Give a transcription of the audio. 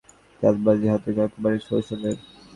চাঁদাবাজিতে হাতেখড়ি একেবারে শৈশবেই।